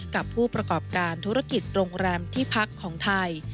กับผู้ประกอบการธุรกิจโรงแรมที่พักของไทย